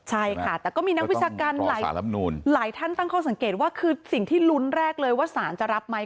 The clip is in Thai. ใช่ค่ะแต่ก็มีนักวิชาการหลายสารหลายท่านตั้งข้อสังเกตว่าคือสิ่งที่ลุ้นแรกเลยว่าสารจะรับไหม